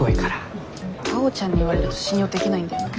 あおちゃんに言われると信用できないんだよな。